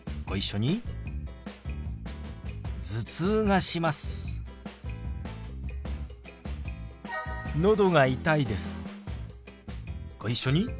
ご一緒に。